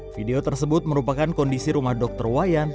video tersebut merupakan kondisi rumah dr wayan